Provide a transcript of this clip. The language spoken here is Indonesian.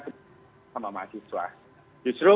sama mahasiswa justru